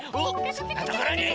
そんなところに！